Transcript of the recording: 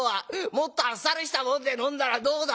もっとあっさりしたもんで飲んだらどうだ？」。